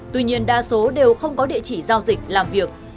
tuy nhiên đa số đều không có địa chỉ giao dịch làm việc